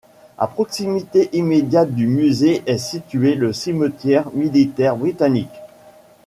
À proximité immédiate du musée est situé le cimetière militaire britannique.